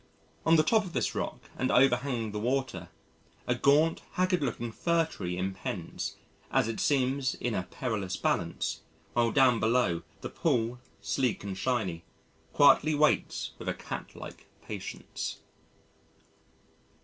On the top of this rock and overhanging the water a gaunt, haggard looking Fir tree impends, as it seems in a perilous balance, while down below, the pool, sleek and shiny, quietly waits with a catlike patience.